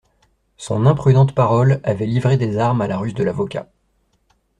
Son imprudente parole avait livré des armes à la ruse de l'avocat.